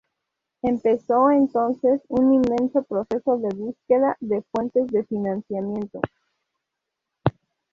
Empezó, entonces, un intenso proceso de búsqueda de fuentes de financiamiento.